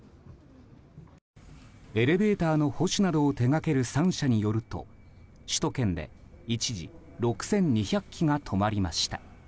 エレベーターの保守などを手がける３社によると首都圏で一時６２００基が止まりました。